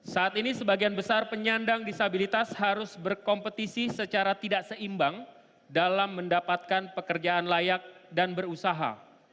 saat ini sebagian besar penyandang disabilitas harus berkompetisi secara tidak seimbang dalam mendapatkan pekerjaan layak dan berusaha